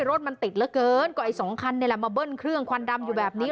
รถมันติดเหลือเกินก็ไอ้สองคันนี่แหละมาเบิ้ลเครื่องควันดำอยู่แบบนี้